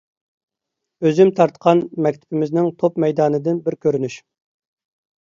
ئۆزۈم تارتقان مەكتىپىمىزنىڭ توپ مەيدانىدىن بىر كۆرۈنۈش.